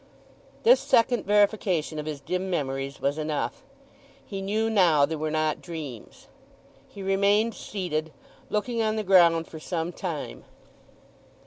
This second verification of his dim memories was enough; he knew now they were not dreams. He remained seated, looking on the ground for some time.